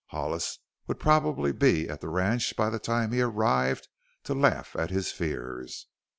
Hollis would probably be at the ranch by the time he arrived, to laugh at his fears.